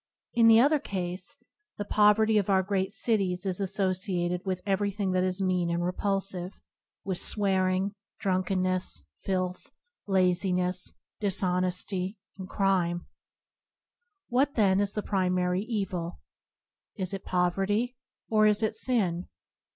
In the other case, the poverty of our great cities is associated with every thing that is mean and repulsive — with 9^an: ©tfng; of^tntJ swearing, drunkenness, filth, laziness, dis honesty, and crime. What, then, is the pri mary evil : is it poverty, or is it sin